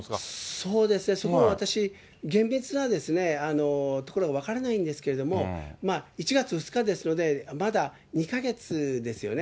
そうですね、そこは私、厳密なところは分からないんですけども、１月２日ですので、まだ２か月ですよね。